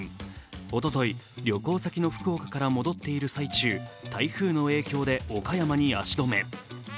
おととい、旅行先の福岡から戻っている最中、台風の影響で岡山に足止め。